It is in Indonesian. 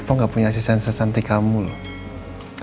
papa enggak punya asisten sesanti kamu loh